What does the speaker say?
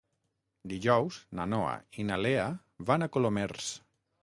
Dijous na Noa i na Lea van a Colomers.